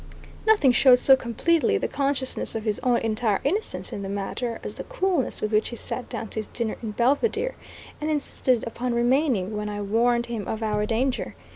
Nothing showed so completely the consciousness of his own entire innocence in the matter, as the coolness with which he sat down to his dinner in Belvidere, and insisted upon remaining when I warned him of our danger.